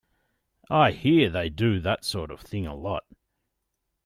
I hear they do that sort of thing a lot.